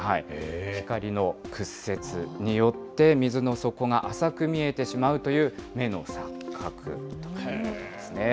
光の屈折によって、水の底が浅く見えてしまうという、目の錯覚ということですね。